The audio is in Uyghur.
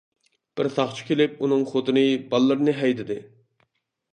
بىر ساقچى كېلىپ ئۇنىڭ خوتۇنى، باللىرىنى ھەيدىدى.